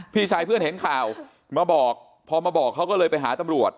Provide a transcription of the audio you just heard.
พี่ชายเพื่อนเห็นข่าวมาบอกพอมาบอกเขาก็เลยไปหาตำรวจ